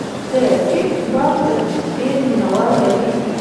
د ټیپ بال کرکټ ډېر مینه وال لري.